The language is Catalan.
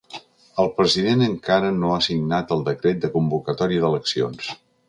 El president encara no ha signat el decret de convocatòria d’eleccions.